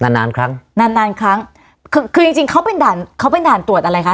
นานนานครั้งนานนานครั้งคือคือจริงจริงเขาเป็นด่านเขาเป็นด่านตรวจอะไรคะ